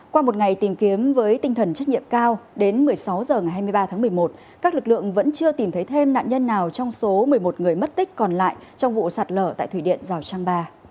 qua một ngày tìm kiếm với tinh thần trách nhiệm cao đến một mươi sáu h ngày hai mươi ba tháng một mươi một các lực lượng vẫn chưa tìm thấy thêm nạn nhân nào trong số một mươi một người mất tích còn lại trong vụ sạt lở tại thủy điện rào trang ba